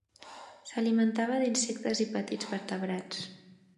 S'alimentava d'insectes i petits vertebrats.